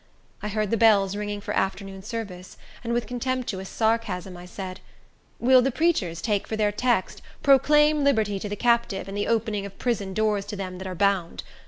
I heard the bells ringing for afternoon service, and, with contemptuous sarcasm, I said, "Will the preachers take for their text, 'Proclaim liberty to the captive, and the opening of prison doors to them that are bound'?